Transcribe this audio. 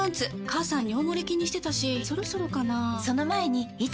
母さん尿モレ気にしてたしそろそろかな菊池）